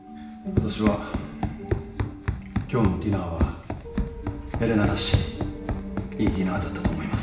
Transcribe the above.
私は今日のディナーはＥｌｅｎａらしいいいディナーだったと思います。